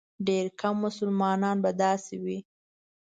ډېر کم مسلمانان به داسې وي.